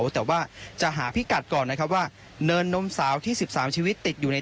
แต่ว่าจะหาพิกัดก่อนนะครับว่าเนินนมสาวที่๑๓ชีวิตติดอยู่ใน